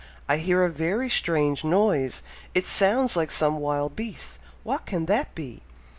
I hear a very strange noise. It sounds like some wild beast! What can that be?"